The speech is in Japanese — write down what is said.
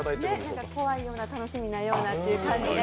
なんか怖いような、楽しみなようなという感じです。